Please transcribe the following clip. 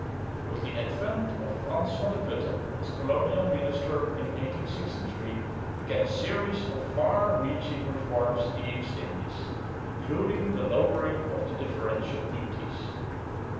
With the advent of Fransen van de Putte, as colonial minister in 1863, began a series of far reaching reforms in the East Indies, including the lowering of the differential duties.